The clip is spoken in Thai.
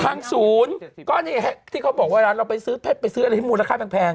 ทางศูนย์ก็นี่ที่เขาบอกเวลาเราไปซื้อเพชรไปซื้ออะไรที่มูลค่าแพง